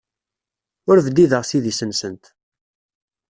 Ur bdideɣ s idis-nsent.